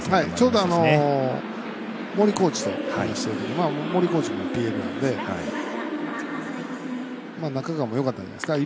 ちょうど森コーチ森コーチもＰＬなんで中川もよかったんじゃないですか。